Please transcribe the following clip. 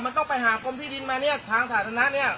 มันต้องไปหากรมที่ดินมาเนี่ยทางสาธารณะเนี่ย